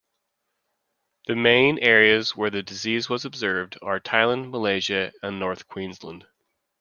The main areas where the disease was observed are Thailand, Malaysia and North Queensland.